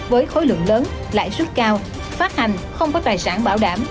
với khối lượng lớn lãi suất cao phát hành không có tài sản bảo đảm